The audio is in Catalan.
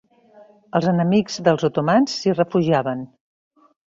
Els enemics dels otomans s'hi refugiaven.